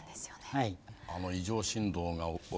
はい。